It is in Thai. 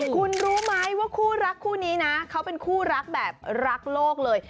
คุณรู้ไหมว่าคู่รักคู่นี้นะเขาเป็นคู่รักแบบรักโลกเลย